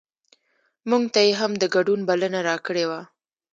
مونږ ته یې هم د ګډون بلنه راکړې وه.